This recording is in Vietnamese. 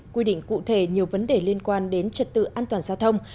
quy định cụ thể nhiều vấn đề liên quan đến trật tự an toàn giao thông